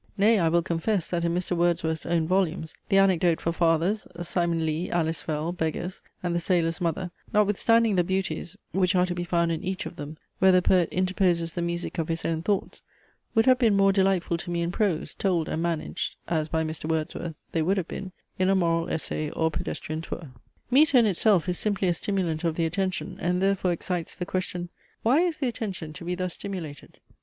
Nay, I will confess, that, in Mr. Wordsworth's own volumes, the ANECDOTE FOR FATHERS, SIMON LEE, ALICE FELL, BEGGARS, and THE SAILOR'S MOTHER, notwithstanding the beauties which are to be found in each of them where the poet interposes the music of his own thoughts, would have been more delightful to me in prose, told and managed, as by Mr. Wordsworth they would have been, in a moral essay or pedestrian tour. Metre in itself is simply a stimulant of the attention, and therefore excites the question: Why is the attention to be thus stimulated?